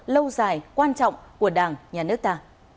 lâu dài quan trọng của đảng nhà nước ta